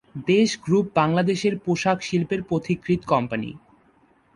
দেশ গ্রুপ বাংলাদেশের পোশাক শিল্পের পথিকৃৎ কোম্পানি।